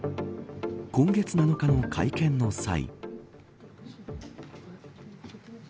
今月７日の会見の際。